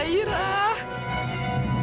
masya allah zaira